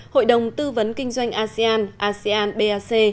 hội đồng tư vấn kinh doanh asean asean bac